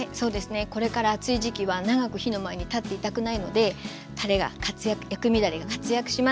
これから暑い時期は長く火の前に立っていたくないのでたれが薬味だれが活躍します。